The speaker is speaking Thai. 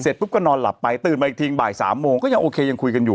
ปุ๊บก็นอนหลับไปตื่นมาอีกทีบ่าย๓โมงก็ยังโอเคยังคุยกันอยู่